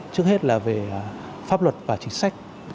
trước hết là về pháp luật và chính sách